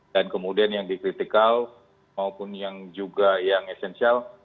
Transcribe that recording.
dan kemudian yang di critical maupun yang juga yang esensial